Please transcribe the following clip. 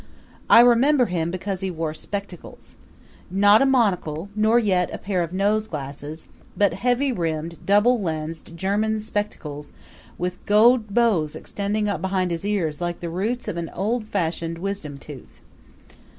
I remember him because he wore spectacles not a monocle nor yet a pair of nose glasses, but heavy rimmed, double lensed German spectacles with gold bows extending up behind his ears like the roots of an old fashioned wisdom tooth.